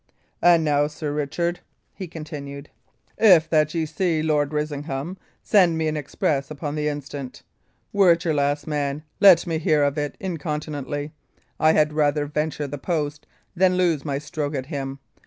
"And now, Sir Richard," he continued, "if that ye see Lord Risingham, send me an express upon the instant. Were it your last man, let me hear of it incontinently. I had rather venture the post than lose my stroke at him.